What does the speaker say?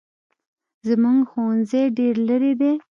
زموږ ښوونځی ډېر لري دی